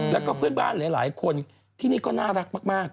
แล้วก็เพื่อนบ้านหลายคนที่นี่ก็น่ารักมาก